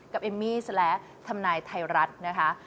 กับเอมมี่และธรรมนายไทยรัฐนะคะ